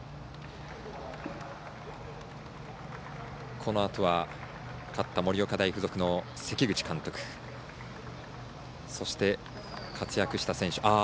このあとは、勝った盛岡大付属の関口監督、そして活躍した選手。